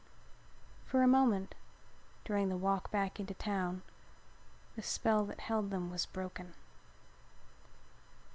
For a moment during the walk back into town the spell that held them was broken.